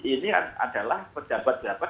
ini adalah pejabat pejabat